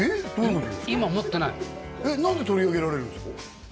今持ってない何で取り上げられるんですか？